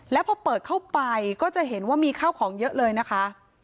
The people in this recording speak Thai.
แล้วพอเปิดเข้าไปก็จะเห็นว่ามีข้าวของเยอะเลยนะคะ